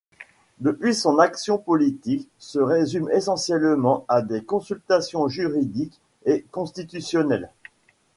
Depuis, son action politique se résume essentiellement à des consultations juridiques et constitutionnelles.